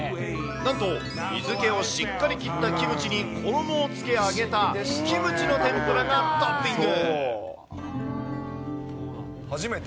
なんと水けをしっかり切ったキムチに衣をつけ揚げた、キムチの天ぷらがトッピング。